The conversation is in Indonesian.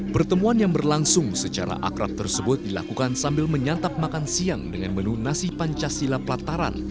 pertemuan yang berlangsung secara akrab tersebut dilakukan sambil menyantap makan siang dengan menu nasi pancasila plataran